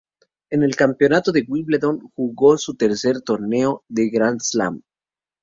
En el Campeonato de Wimbledon jugó su tercer torneo de Grand Slam.